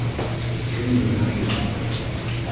Кем белә бит.